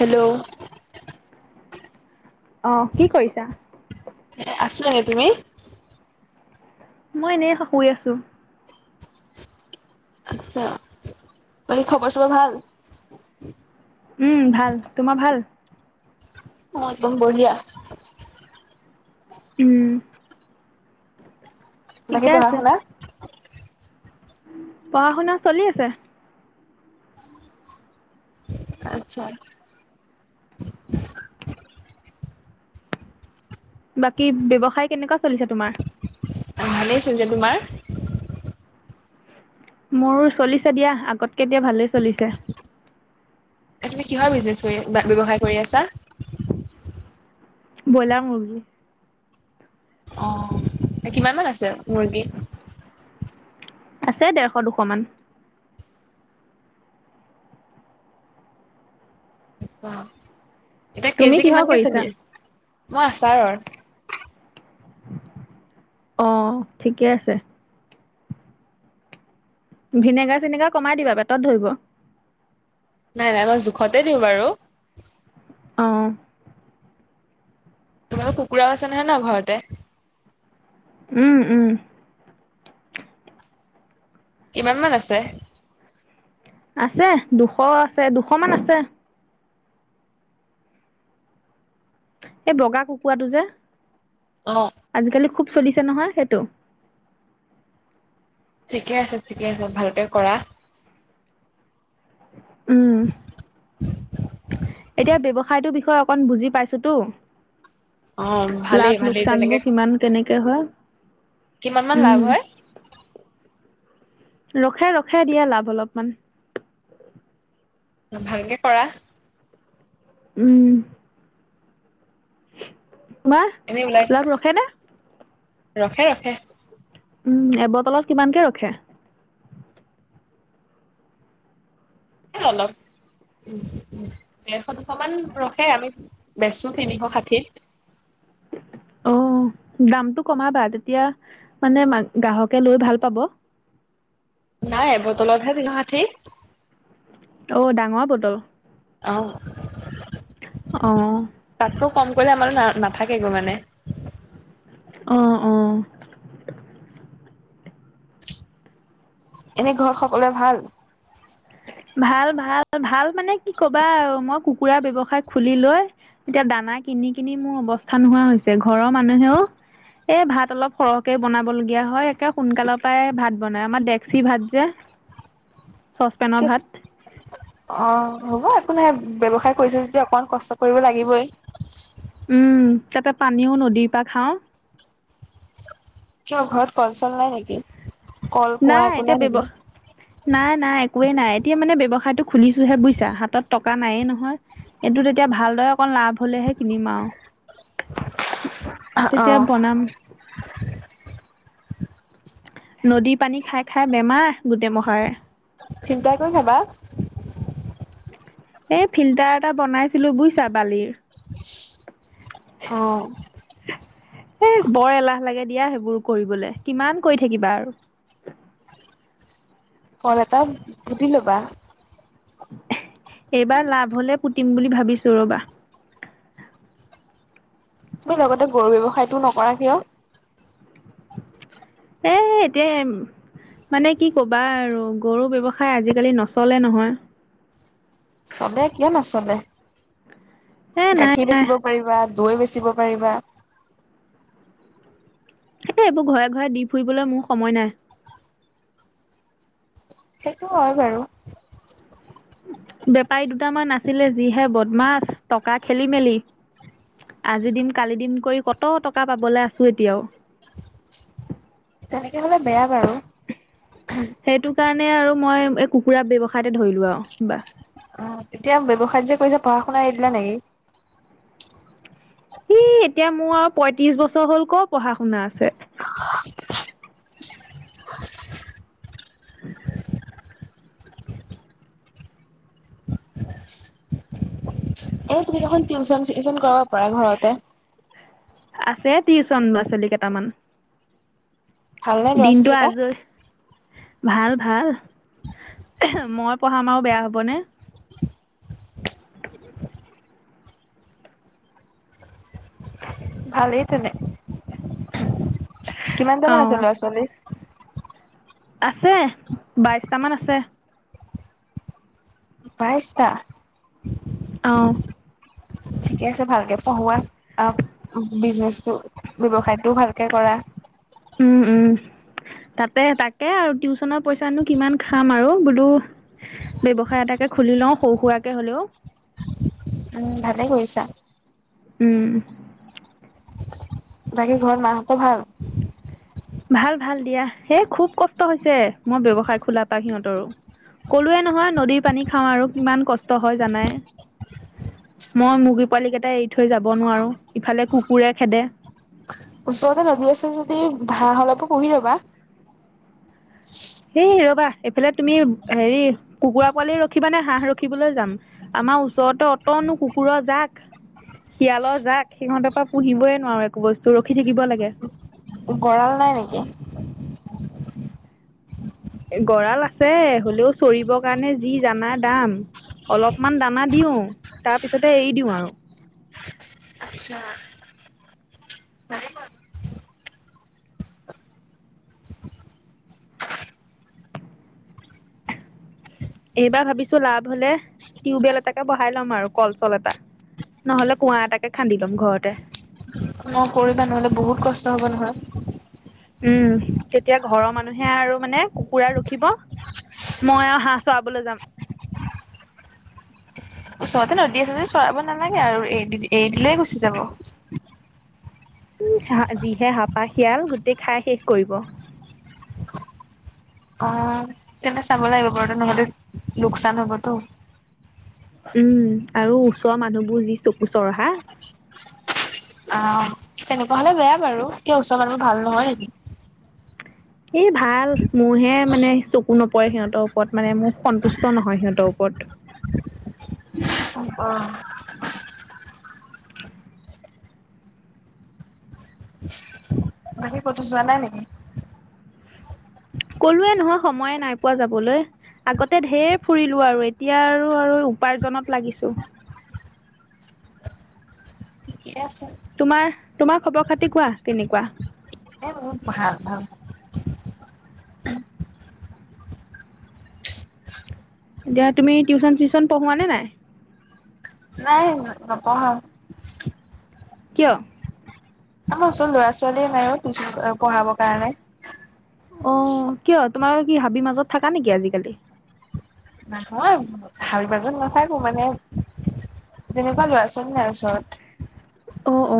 Hello. অ কি কৰিছা? আছো এনে, তুমি? মই এনেই শুই আছো। আচ্ছা বাকী খবৰ চবৰ ভাল? উম ভাল তোমাৰ ভাল? অ একদম বঢ়িয়া। উম। বাকী ঠিকে পঢ়া আছে। শুনা? পঢ়া শুনা চলি আছে। আচ্ছা। বাকী ব্যৱসায় কেনেকুৱা চলিছে তোমাৰ? অঁ ভালেই চলিছে, তোমাৰ? মোৰ চলিছে দিয়া আগতকে এতিয়া ভালেই চলিছে। তুমি কিহৰ বিজনেছ কৰি ব্যয়ৱসায় কৰি আছা? বইলাৰ মূৰ্গী। অ কিমান মান আছে মুৰ্গী? আছে ডেৰশ দুশ মান। এতিয়া তুমি কেজি কিহৰ কিমানকে কৰিছা? চলি আছে মই আছাৰৰ। অ ঠিকে আছে। ভিনেগাৰ চিনেগাৰ কমাই দিবা পেটত ধৰিব। নাই নাই মই জোখতে দিওঁ বাৰু। অ। তোমালোকৰ কুকুৰাও আছে নহয় ন ঘৰতে? উম উম। কিমান মান আছে? আছে দুশ আছে দুশমান আছে। এই বগা কুকুৰাটো যে। অ। আজিকালি খুব চলিছে নহয় সেইটো। ঠিকে আছে ঠিকে আছে ভালকে কৰা। উম এতিয়া ব্যসায়টোৰ বিষয়ে অকন বুজি পাইছোতো, অ ভালেই লাভ ভালেই তেনেকে লোকচানবোৰ কিমান কেনেকে হয়। কিমান মান লাভ উম হয়? ৰখে ৰখে দিয়া লাভ অলপমান। ভালকে কৰা। উম। তোমাৰ এনে ওলাই লাভ ৰখে নে ৰখে ৰখে। উম এবটলত কিমানকে ৰখে? অলপ উ উ ডেৰশ দুশ মান ৰখে আমি বেচো তিনিশ ষাঠিত। অ দামটো কমাবা তেতিয়া মানে মা গ্ৰাহকে লৈ ভাল পাব। নাই এবটলতহে দুশ ষাঠি। অ ডাঙৰ বটল। অ'। অ তাতকৈ কম কৰিলে আমাৰ না-নাথাকেগৈ মানে। অ', অ'। এনে ঘৰৰ সকলোৱে ভাল? ভাল ভাল, ভাল মানে কি ক'বা মই কুকুৰাৰ ব্যৱসায় খুলি লৈ এতিয়া দানা কিনি কিনি মোৰ অৱস্থা নোহোৱা হৈছে, ঘৰৰ মানুহেও এ, ভাত অলপ সৰহকে বনাব লগগীয়া হয়। একে সোনকালৰ পৰাই ভাত বনাই, আমাৰ ডেকচি ভাত যে। চচপেনৰ ভাত [unintelligible] অ' হ'ব একো নাই, ব্যৱসায় কৰিছা যেতিয়া অকমান কষ্ট কৰিব লাগিবই। উম, তাতে পানীও নদীৰ পৰা খাওঁ। কিয় ঘৰত কল চল নাই নেকি? কল, কুঁৱা একো এতিয়া নাই ব্যৱ নেকি? নাই নাই একোৱেই নাই। এতিয়া মানে ব্যৱসায়তটো খুলিছোহে বুজিছা? হাতত টকা নায়ে নহয়। এইটো তেতিয়া ভালদৰে অকণ লাভ হ'লেহে কিনিম আৰু। [inaudible] অ তেতিয়া বনাম। নদীৰ পানী খাই খাই বেমাৰ গোটেই মহাৰে। ফিল্টাৰ কৰি খাবা। এই ফিল্টাৰ এটা বনাইছিলোঁ বুজিছা বালিৰ। অ'। এ, বৰ এলাহ লাগে দিয়া সেইবোৰ কৰিবলৈ, কিমান কৰি থাকিবা আৰু। কল এটা পুতি ল'বা। এইবাৰ লাভ হ'লে পুতিম বুলি ভাবিছোঁ ৰ'বা। [unintelligible] লগতে গৰু ব্যৱসায়টো নকৰা কিয়? এ, এতিয়া মানে কি ক'বা আৰু গৰু ব্যৱসায় আজিকালি নচলে নহয়। চলে, কিয় নচলে, এ নাই গাখীৰ নাই বেচিব পাৰিবা, দৈ বেচিব পাৰিবা। এ, এইবোৰ ঘৰে ঘৰে দি ফুৰিবলৈ মোৰ সময় নাই। সেইটো হয় বাৰু। বেপাৰী দুটামান আছিলে, যিহে বদমাছ, টকা খেলি মেলি। আজি দিম কালি দিম কৰি কত টকা পাবলৈ আছোঁ এতিয়াও। তাকে হ'লে বেয়া বাৰু। সেইটো কাৰণে আৰু মই এই কুকুৰা ব্যৱসায়তে ধৰিলোঁ আৰু বা। অ এতিয়া ব্যৱসায় যে কৰিছা, পঢ়া শুনা এৰি দিলা নেকি? এ, এতিয়া মোৰ আৰু পইয়ত্ৰিশ বছৰ হ'ল ক'ৰ পঢ়া শুনা আছে। এ, তুমি দেখোন টিউচন চিউচন কৰাব পাৰা ঘৰতে। আছে টিউচন, ল'ৰা ছোৱালী কেইটামান। ভালনে ল'ৰা ছোৱালী দিনটো কেইটা? আজৰি ভাল ভাল। মই পঢ়াম আৰু বেয়া হ'বনে। [inaudible] ভালেই তেনে। কিমানটামান আছে অ' ল'ৰা ছোৱালী? আছে বাইছটামান আছে। বাইছটা? অ'। ঠিকে আছে ভালকে পঢ়োৱা, আৰু বিজনেচটো ব্যৱসায়টোও ভালকে কৰা। উম, উম। তাতে তাকে আৰু টিউচনৰ পইচানো কিমান খাম আৰু বোলোঁ। ব্যৱসায় এটাকে খুলি লও, সৰু সুুৰাকে হলেও। উম, ভালে কৰিছা। উম'। বাকী ঘৰত মাহঁতৰ ভাল? ভাল-ভাল দিয়া। সে খুব কষ্ট হৈছে। মই ব্যৱসায় খোলা পা সিহঁতৰো। ক'লোৱে নহয়, নদীৰ পানী খাওঁ আৰু কিমান কষ্ট হয়। জানাই? মই মুৰ্গী পোৱালী কেইটাই এৰি থৈ যাব নোৱাৰোঁ, ইফালে কুকুৰে খেদে। ওচৰতে নদী আছে যদি ভাঁহ অলপো কহি ৰবা। সেই ৰবা, এইফালে তুমি হেৰি কুকুৰা পোৱালি ৰখিবা নে হাঁহ ৰখিবলৈ যাম। আমাৰ ওচৰতে অটনো কুকুৰৰ যাক, শিয়ালৰ যাক। সিহঁতৰ পৰা পুহিবই নোৱাৰো একো বস্তু। ৰখি থাকিব লাগে। গড়াল নাই নেকি? গঁৰাল আছে, হ'লেও চৰিব কাৰণে যি জানা দাম অলপমান দানা দিওঁ, তাৰপিছতে এৰি দিওঁ আৰু। আচ্ছা। ভালে এইবাৰ ভাবিছো লাভ হলে, টিউবেল এটাকে বহাই লম আৰু কল-চল এটা। নহ'লে কুঁৱা এটাকে খান্দি ল'ম ঘৰতে। মই কৰিবা নহলে বহুত কষ্ট হ'ব নহয়। উম, তেতিয়া ঘৰৰ মানুহে আৰু মানে কুকুৰা ৰখিব। মই আৱ হাঁহ চৰাবলে যাম। ওচৰতে নদী আছে যেদি চৰাব নালাগে আৰু এই দি এই দিলে গুচি যাব। [unintelligible] যিহে হাপা শিয়াল, গোটেই খাই শেষ কৰিব। অ। তেন্ত চাব লাগিব বাৰু নহ'লে লোকচান হ'বতো। উম, আৰু ওচৰ মানুহবোৰ যি চকু চৰহা। আ তেনেকুৱা হলে বেয়া বাৰু। কিয় ওচৰৰ মানুহবো ভাল নহয় নেকি? এই ভাল। মোৰহে মানে চকু নপৰে সিহঁতৰ ওপৰত, মানে মোৰ সন্তুষ্ট নহয় সিহঁতৰ ওপৰত। অ-অ। বাকী কতো যোৱা নাই নেকি? কলোৱে নহয় সময়ে নাই পোৱা যাবলৈ। আগতে ঢেৰ ফুৰিলো আৰু এতিয়া আৰু আৰু উপাৰ্জনত লাগিছো। কে আছে। তোমাৰ তোমাৰ খবৰ খাতি কোৱা কেনেকুৱা? এ [unintelligible] ভাল-ভাল। এতিয়া তুমি টিউচন চিউচন পঢ়োৱা নে নাই? নাই নপঢ়াও। কিয়? আমাৰ ওচৰত ল'ৰা ছোৱালীয়ে নাই অ টিউচন পঢ়াবৰ কাৰণে। অ, কিয়? তোমাৰ কি হাবি মাজত থাকা নেকি আজিকালি? নাহয়, হাল বাজত নাথাকো মানে। তেনেকুৱা ল'ৰা ছোৱালী নাই ওচৰত। অ, অ।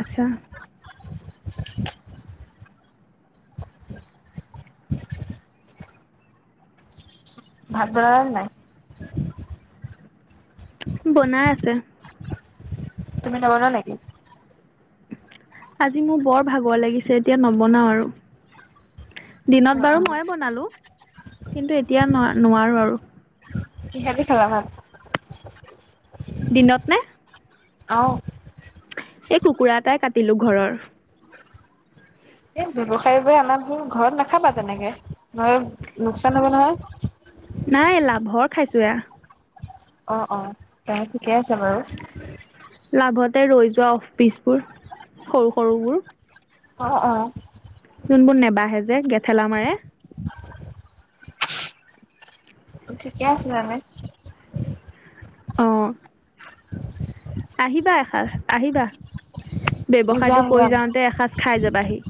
আচ্ছা। ভাত বনালা নাই? বনাই আছে। তুমি নবনোৱা নেকি? আজি মোৰ বৰ ভাগৰ লাগিছে এতিয়া নবনাওঁ আৰু। দিনত অ অ বাৰু ময়ে বনালোঁ, কিন্তু এতিয়া ন-নোৱাৰো আৰু। কি হেদি খালা ভাত? দিনত নে? অ'। এই কুকুৰা এটাই কাটিলো ঘৰৰ। এই ব্যৱসায় বাবে আনা বোৰ ঘৰত নাখাবা তেনেকে, নহয় লোকচান হ'ব নহয়। নাই লাভৰ খাইছোঁ এয়া। অ', অ', তে ঠিকে আছে বাৰু। লাভতে ৰৈ যোৱা অফ পিচবোৰ, সৰু সৰু বোৰ। অ', অ'। যোনবোৰ নেবাহে যে গেথেলা মাৰে। ঠিকে আছে এনে। অ'। আহিবা এসাঁজ আহিবা, যাম ব্যৱসায়টো কৰি যাওঁতে এসাঁজ খাই যাবাহি।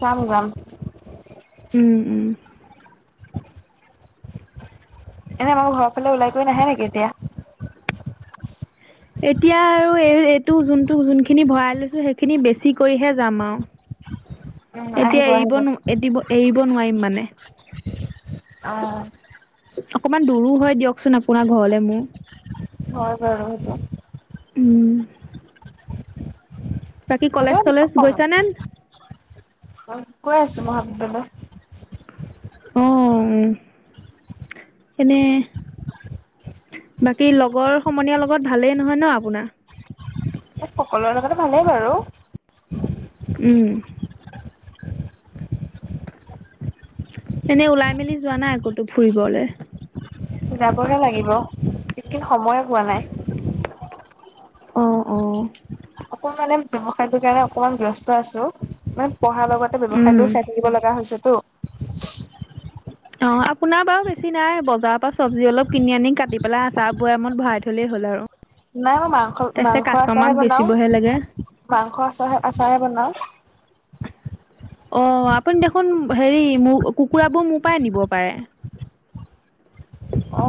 চাম গ্ৰাম। উম, উম। এনে বাৰু ঘৰৰ ফালে ওলাই কৰি নাহে নেকি এতিয়া? এতিয়া আৰু এই এইটো যোনটো যোনখিনি ভৰাই লৈছোঁ সেইখিনি বেছি কৰিহে যাম আৰু। [unintelligible] এতিয়া আহিব এৰিব আহিব। ন-এদিব এৰিব নোৱাৰিম মানে। অ'। অকমান দূৰো হয় দিয়কচোন আপোনাৰ ঘৰলৈ মোৰ। হয় বাৰু সেইটো। উম। বাকী কলেজ চলেজ গৈছানে [unintelligible] গৈ আছোঁ মহাবিদ্যালয়। অ' উম, এনে বাকী লগৰ সমনীয়াৰ লগত ভালেই নহয় ন' আপোনাৰ। সকলোৰে লগতে ভালেই বাৰু। উম। এনেই ওলাই মেলি যোৱা নাই ক'তো ফুৰিবলৈ। যাবহে লাগিব, ইকিন সময়ে পোৱা নাই। অ', অ'। অকণ মানে ব্যৱসায়টোৰ কাৰণে অকমান ব্যস্ত আছোঁ। মানে পঢ়াৰ লগতে উম ব্যৱসায়টোও চাই থাকিব লগা হৈছেতো। অ' আপোনাৰ বাৰু বেছি নাই বজাৰৰ পৰা চব্জি অলপ কিনি আনি কাটি পেলাই আচাৰ বয়ামত ভৰাই থ'লেই হ'ল আৰু। নাই মই মাংস তাৰপিছত মাংস আচাৰহে কাষ্টমাৰক বনাওঁ, বেচিবহে লাগে মাংস আচাৰ আচাৰে বনাওঁ। অ' আপুনি দেখোন হেৰি মোৰ কুকুৰাবোৰ মোৰ পৰাই নিব পাৰে। অ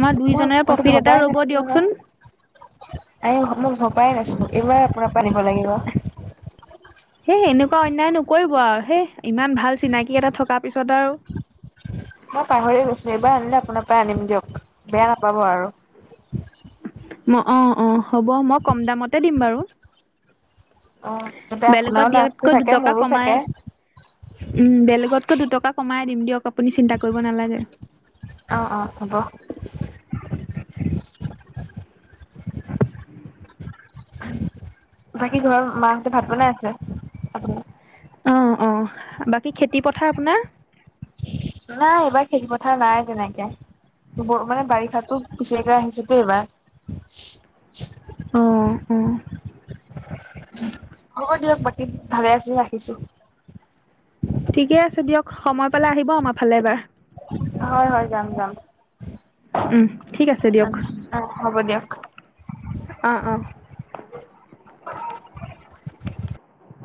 আমাৰ মই দুইজনৰে প্ৰফিট এটা ৰ'ব দিয়কচোন। এই সমূহ ভৱাই নাছিলোঁ এইবাৰ আপোনাৰ পৰাই নিব লাগিব। হেই এনেকুৱা অন্যায় নকৰিব আৰু হেই ইমান ভাল চিনাকি এটা থকাৰ পিছত আৰু। মই পাহৰি গৈছোঁ এইবাৰ আনিলে আপোনাৰ পৰাই আনিম দিয়ক, বেয়া নাপাব আৰু। ম- অ', অ', হ'ব মই কম দামতে দিম বাৰু। অ যাতে বেলেগত আপোনাৰো লাভটো দিয়াতকৈ থাকে দুটকা মোৰো কমাই। থাকে উম, বেলেগতকৈ দুটকা কমাই দিম দিয়ক আপুনি চিন্তা কৰিব নালাগে। অ', অ', হ'ব। বাকী ঘৰৰ মাহঁতে ভাত বনাই আছে আপোনাৰ? উম, উম বাকী খেতি পথাৰ আপোনাৰ? নাই এইবাৰ খেতি পথাৰ নাই তেনেকে। মানে বাৰিষাতো খুচিয়াক আহিছে এইবাৰ। উম, উম। হ'ব দিয়ক বাকী, ভালে আছে ৰাখিছো। ঠিকে আছে দিয়ক, সময় পালে আহিব আমাৰ ফালে এবাৰ। হয়, হয় যাম যাম। উম, ঠিক আছে দিয়ক, অ' হ'ব দিয়ক। অ' অ'।